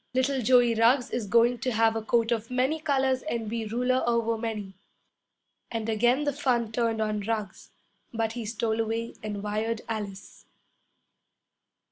Little Joey Ruggs is going to have a coat of many colors and be ruler over many!' And again the fun turned on Ruggs, but he stole away and wired Alice.